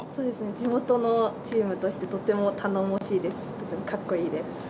地元のチームとしてとても頼もしいしかっこいいです。